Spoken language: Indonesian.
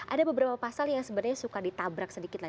ada beberapa pasal yang sebenarnya suka ditabrak sedikit lah